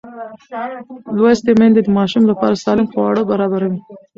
لوستې میندې د ماشوم لپاره سالم خواړه برابروي.